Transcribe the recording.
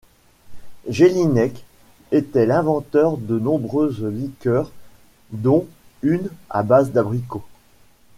Jelínek était l'inventeur de nombreuses liqueurs dont une à base d'abricot.